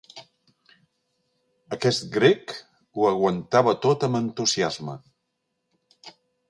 Aquest grec ho aguantava tot amb entusiasme.